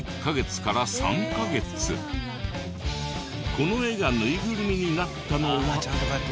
この絵がぬいぐるみになったのは。